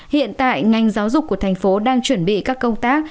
hiện tại ngành giáo dục của thành phố đang chuẩn bị các công tác